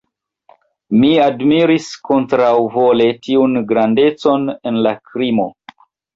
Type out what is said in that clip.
Mi admiris kontraŭvole tiun grandecon en la krimo.